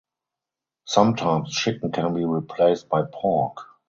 Sometimes chicken can be replaced by pork.